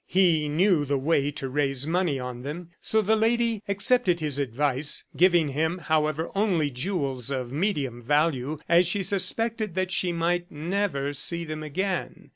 He knew the way to raise money on them. So the lady accepted his advice, giving him, however, only jewels of medium value as she suspected that she might never see them again.